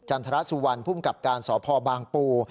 จันทรสุวรรณผู้มกับการสพบางปู